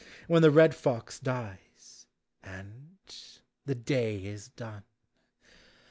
When the red fox dies, and — the day is done.